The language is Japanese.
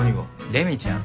レミちゃん。